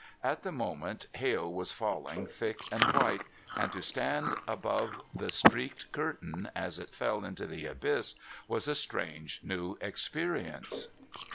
At the moment hail was falling thick and white, and to stand above the streaked curtain, as it fell into the abyss was a strange new experience.